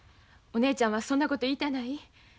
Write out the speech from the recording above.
お姉ちゃんはそんなこと言いたない。